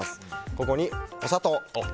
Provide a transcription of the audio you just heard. ここに、お砂糖。